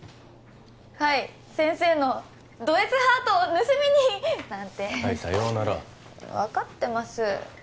はい先生のドＳハートを盗みに！なんてはいさようなら分かってます